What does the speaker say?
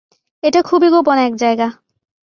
এটা খুবই গোপন এক জায়গা।